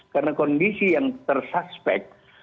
karena kondisi yang tersuspek